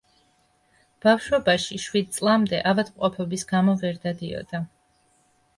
ბავშვობაში, შვიდ წლამდე, ავადმყოფობის გამო ვერ დადიოდა.